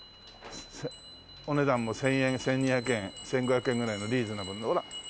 お値段も１０００円１２００円１５００円ぐらいのリーズナブルなほら。